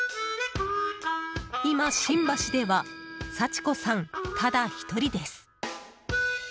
今、新橋では幸子さん、ただ１人です。